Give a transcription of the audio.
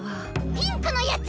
ピンクのやつ！